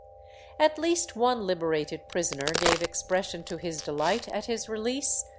At least one liberated prisoner gave expression to his delight at his release.